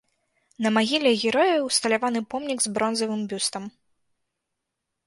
На магіле героя усталяваны помнік з бронзавым бюстам.